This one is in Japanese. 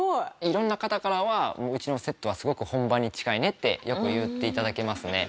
色んな方からはうちのセットはすごく本番に近いねってよく言って頂けますね。